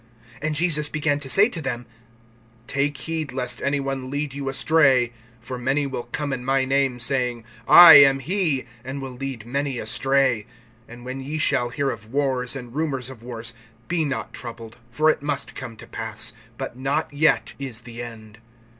(5)And Jesus began to say to them: Take heed lest any one lead you astray. (6)For many will come in my name, saying: I am he; and will lead many astray. (7)And when ye shall hear of wars and rumors of wars, be not troubled, for it must come to pass; but not yet is the end.